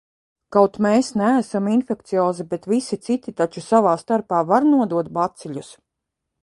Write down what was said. Kaut mēs neesam infekciozi, bet visi citi taču savā starpā var nodot baciļus.